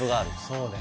そうね